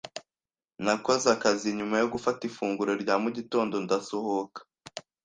Nakoze akazi nyuma yo gufata ifunguro rya mu gitondo ndasohoka.